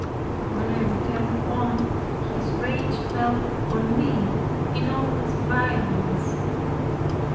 When I returned home his rage fell on me in all its violence.